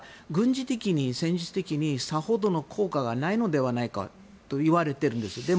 軍事的、戦術的にさほどの効果がないのではないかといわれているんです。